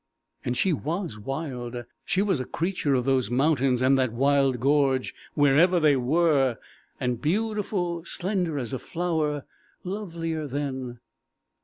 And she was wild. She was a creature of those mountains and that wild gorge, wherever they were and beautiful slender as a flower lovelier than....